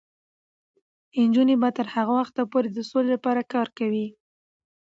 نجونې به تر هغه وخته پورې د سولې لپاره کار کوي.